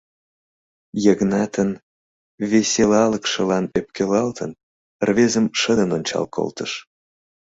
— Йыгнатын веселалыкшылан ӧпкелалтын, рвезым шыдын ончал колтыш.